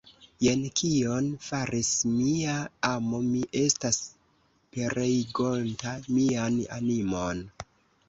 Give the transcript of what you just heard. Jen kion faris mia amo, mi estas pereigonta mian animon!